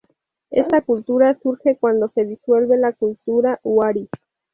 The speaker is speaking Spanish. Esta cultura surge cuando se disuelve la cultura huari.